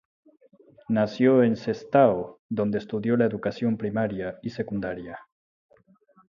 Nació en Sestao, donde estudió la educación primaria y secundaria.